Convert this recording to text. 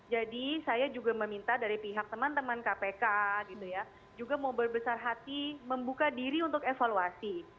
saya juga meminta dari pihak teman teman kpk gitu ya juga mau berbesar hati membuka diri untuk evaluasi